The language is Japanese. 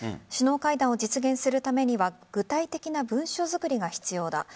首脳会談を実現するためには具体的な文書作りが必要だ。